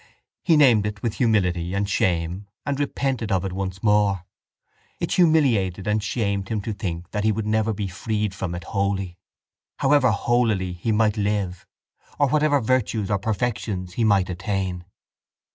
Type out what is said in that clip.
He named it with humility and shame and repented of it once more. It humiliated and shamed him to think that he would never be freed from it wholly, however holily he might live or whatever virtues or perfections he might attain.